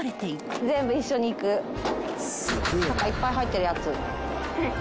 何かいっぱい入ってるやつ。